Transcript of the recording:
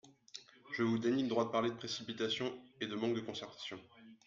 Je vous dénie le droit de parler de précipitation et de manque de concertation.